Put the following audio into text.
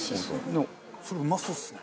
でもそれうまそうですね。